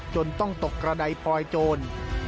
จนต้องตกกระดายพลอยโจร